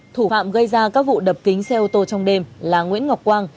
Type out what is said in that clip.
thủ phạm gây ra các vụ đập kính xe ô tô trong đêm là nguyễn ngọc quang